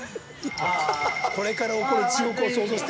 これから起こる地獄を想像して。